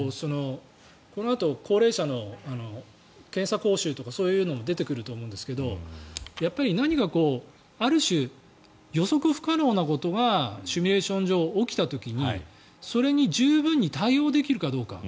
このあと高齢者の検査講習とかそういうのも出てくると思うんですが何かある種、予測不可能なことがシミュレーション上起きた時にそれに十分に対応できるかどうか。